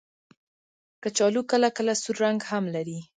کچالو کله کله سور رنګ هم لري